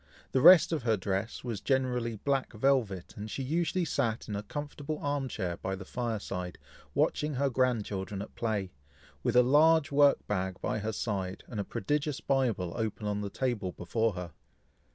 The rest of her dress was generally black velvet, and she usually sat in a comfortable arm chair by the fire side, watching her grandchildren at play, with a large work bag by her side, and a prodigious Bible open on the table before her.